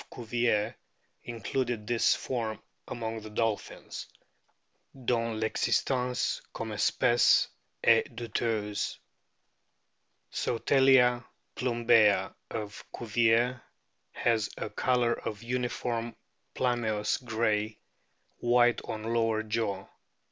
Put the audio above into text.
Cuvier included this form among the dolphins " dont 1'existence comme espece est douteuse." Sotalia plumbed^ of Cuvier,t has a colour of uniform plumbeous grey, white on lower jaw.